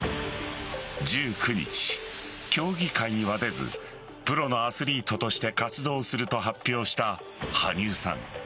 １９日、競技会には出ずプロのアスリートとして活動すると発表した羽生さん。